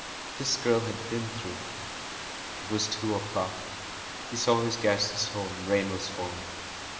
What this girl had been through ! It was two o'clockc He saw his guests Home. (Rain was falling.)